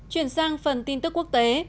chuyển sang phần tin tức quốc tế